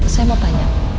saya mau tanya